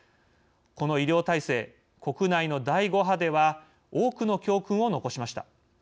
この医療体制、国内の第５波では多くの教訓を残しました。